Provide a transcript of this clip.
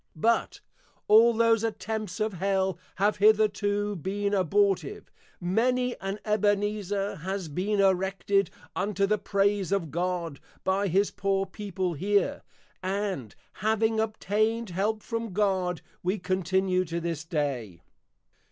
_ But, All those Attempts of Hell, have hitherto been Abortive, many an Ebenezer has been Erected unto the Praise of God, by his Poor People here; and, _Having obtained Help from God, we continue to this Day.